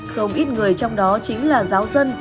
không ít người trong đó chính là giáo dân